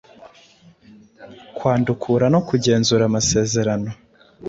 kwandukura no kugenzura amasezerano